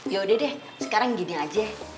yaudah deh sekarang gini aja